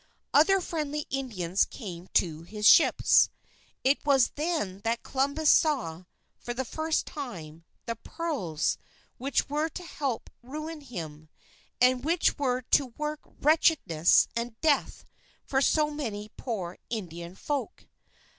Other friendly Indians came to his ships. It was then that Columbus saw for the first time the pearls which were to help ruin him, and which were to work wretchedness and death for so many poor Indian folk.